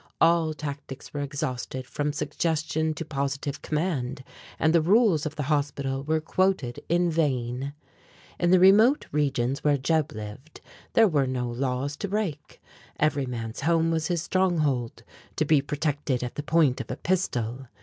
All tactics were exhausted from suggestion to positive command, and the rules of the hospital were quoted in vain. In the remote regions where Jeb lived there were no laws to break. Every man's home was his stronghold, to be protected at the point of a pistol.